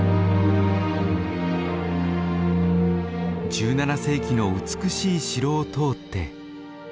１７世紀の美しい城を通って。